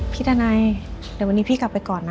ทนายเดี๋ยววันนี้พี่กลับไปก่อนนะ